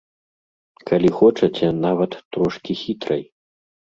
Калі хочаце, нават трошкі хітрай.